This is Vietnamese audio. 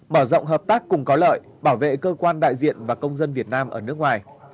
mở rộng hợp tác cùng có lợi bảo vệ cơ quan đại diện và công dân việt nam ở nước ngoài